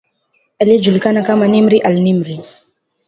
aliyejulikana kama Nimr alNimr